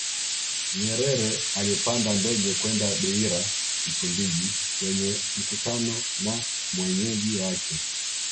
Nyerer alipanda ndege kwenda Beira Msumbiji kwenye mkutano na mwenyeji wake